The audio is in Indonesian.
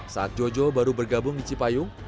saat jojo baru bergabung di cipayung